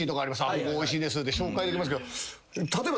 ここおいしいですって紹介できますけど例えば。